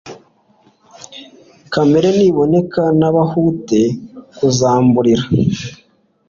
Kamena niboneka ntibahute kuzamburira